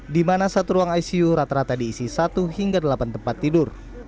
di mana satu ruang icu rata rata diisi satu hingga delapan tempat tidur